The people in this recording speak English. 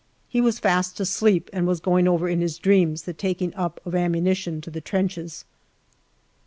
He was fast asleep, and was going over in his dreams the taking up of ammunition to the trenches.